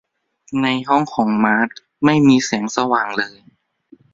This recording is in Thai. ในห้องของมาร์ธไม่มีแสงสว่างเลย